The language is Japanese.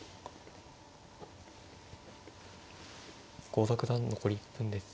郷田九段残り１分です。